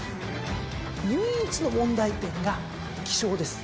唯一の問題点が気性です。